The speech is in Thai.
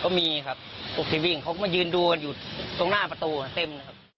ก็มีครับอุ๊กทีวิ้งก็มายืนดูอยู่ตรงหน้าประตูเต็ม